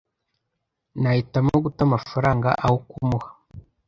Nahitamo guta amafaranga aho kumuha.